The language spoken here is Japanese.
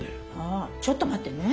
ああちょっと待ってね。